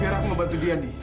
biar aku ngebantu dia di